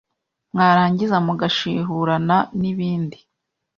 mwarangiza mugashihurana n’ibindi